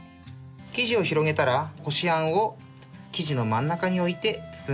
生地を広げたらこしあんを生地の真ん中に置いて包んでください。